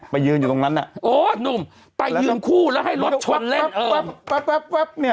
ไปเยินอยู่ตรงนั้นอ่ะโอ้นุ่มไปเยินคู่แล้วให้รถชนเล่นเนี่ย